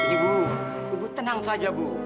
ibu tenang saja bu